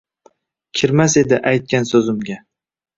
Kirmas edi aytgan so’zimga.